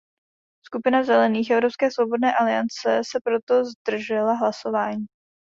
Skupina Zelených / Evropské svobodné aliance se proto zdržela hlasování.